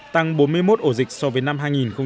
tăng bốn mươi một ổ dịch so với năm hai nghìn một mươi hai